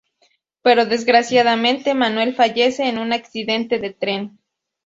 Pero desgraciadamente, Manuel fallece en un accidente de tren.